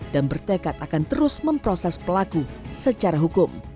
dan bertekad akan terus memproses pelaku secara hukum